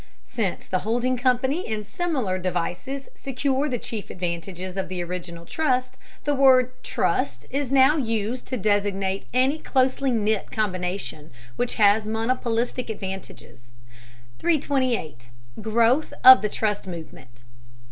Since the holding company and similar devices secure the chief advantages of the original trust, the word "trust" is now used to designate any closely knit combination which has monopolistic advantages. 328. GROWTH OF THE TRUST MOVEMENT.